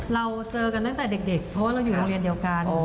เราเจอกันตั้งแต่เด็กเพราะว่าเราอยู่โรงเรียนเดียวกัน